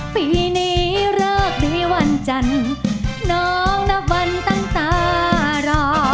ปีนี้เลิกดีวันจันทร์น้องนับวันตั้งตารอ